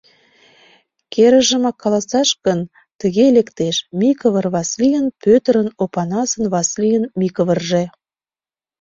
Керыжымак каласаш гын, тыге лектеш: Микывыр Васлийын Пӧтырын Опанасын Васлийын Микывырже.